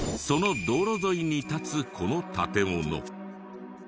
その道路沿いに立つこの建物。